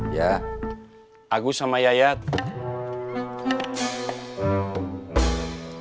yang kau mau lihat semuanya ada apa apa kesulitan pak